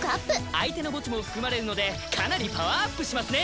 相手の墓地も含まれるのでかなりパワーアップしますね。